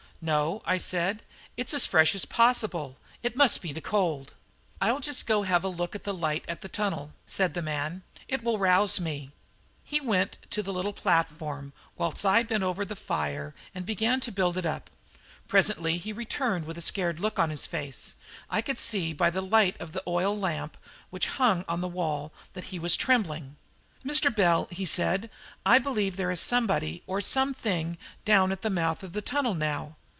"No," I said; "it is as fresh as possible; it must be the cold." "I'll just go and have a look at the light at the tunnel," said the man; "it will rouse me." He went on to the little platform, whilst I bent over the fire and began to build it up. Presently he returned with a scared look on his face. I could see by the light of the oil lamp which hung on the wall that he was trembling. "Mr. Bell," he said, "I believe there is somebody or something down at the mouth of the tunnel now."